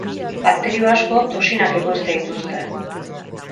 Bakterio askok toxinak ekoizten dituzte.